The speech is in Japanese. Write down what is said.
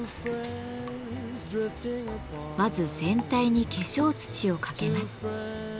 まず全体に化粧土をかけます。